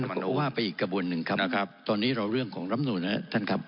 อันนั้นผมว่าไปอีกกระบวนหนึ่งครับตอนนี้เราร่วมเรื่องของรำหนุนะครับท่านครับ